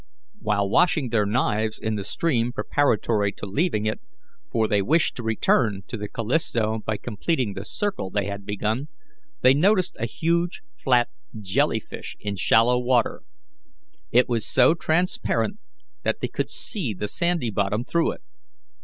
While washing their knives in the stream preparatory to leaving it for they wished to return to the Callisto by completing the circle they had begun they noticed a huge flat jelly fish in shallow water. It was so transparent that they could see the sandy bottom through it.